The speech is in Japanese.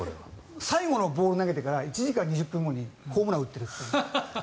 最後のボールを投げてから１時間２０分後にホームランを打ってるという。